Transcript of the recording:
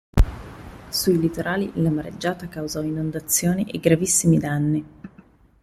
Sui litorali la mareggiata causò inondazioni e gravissimi danni.